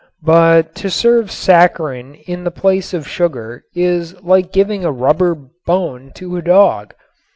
But to serve saccharin in the place of sugar is like giving a rubber bone to a dog.